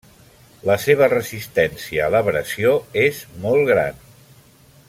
La seva resistència a l'abrasió és molt gran.